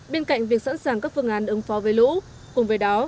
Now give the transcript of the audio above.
bên cạnh việc sẵn sàng các phương án ứng phó với lũ cùng với đó